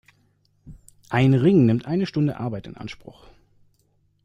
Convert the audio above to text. Ein Ring nimmt eine Stunde Arbeit in Anspruch.